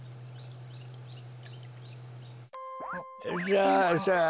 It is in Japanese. さあさあ